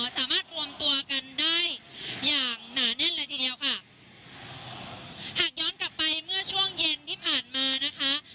สามารถรวมตัวกันได้อย่างหนาแน่นเลยทีเดียวค่ะหากย้อนกลับไปเมื่อช่วงเย็นที่ผ่านมานะคะ